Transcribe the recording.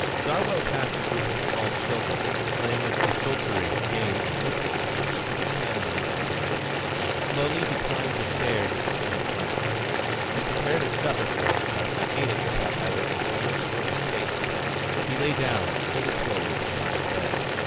Zarwell passed a group of smaller children playing a desultory game of lic lic for pieces of candy and cigarettes. Slowly he climbed the stairs of a stone flat. He prepared a supper for himself and ate it without either enjoyment or distaste. He lay down, fully clothed, on his bed.